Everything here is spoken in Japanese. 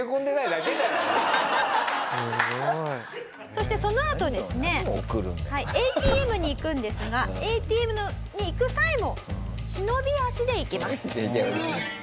そしてそのあとですねＡＴＭに行くんですがＡＴＭに行く際も忍び足で行きます。